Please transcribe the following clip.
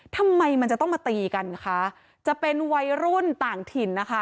ทำไมมันจะต้องมาตีกันคะจะเป็นวัยรุ่นต่างถิ่นนะคะ